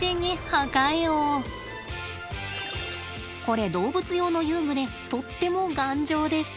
これ動物用の遊具でとっても頑丈です。